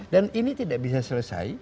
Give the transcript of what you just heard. dan ini tidak bisa selesai